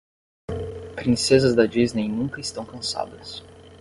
Princesas da Disney nunca estão cansadas.